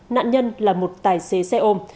nạn nhân là một tài xế xe ôm